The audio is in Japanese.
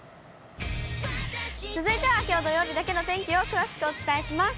続いてはきょう土曜日だけの天気を詳しくお伝えします。